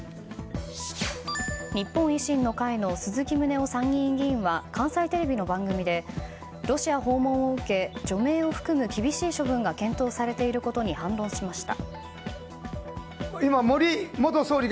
日本維新の会の鈴木宗男参議院議員は関西テレビの番組でロシア訪問を受け除名を含む厳しい処分が検討されていることに反論しました。